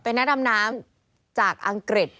นักดำน้ำจากอังกฤษ